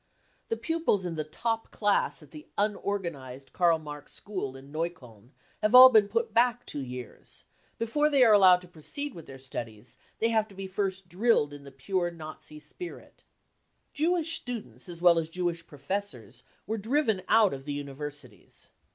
The pupils in the top class at the c< unorganised 55 Karl Marx school^ in Neukolln have been put back two years ; before they are allowed to pro ceed with their studies they have to be first drilled in the pure Nazi spirit. Jewish students as well as Jewish professors were driven out of the universities.